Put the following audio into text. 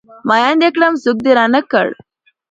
ميين د کړم سوک د رانه کړ